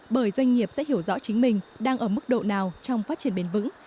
bởi doanh nghiệp sẽ hiểu rõ chính mình đang ở mức độ nào trong phát triển bền vững